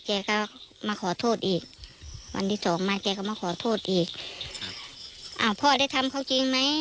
แกก็มาขอโทษอีกวันที่สองมาแกก็มาขอโทษอีกอ้าวพ่อได้ทำเขาจริงไหม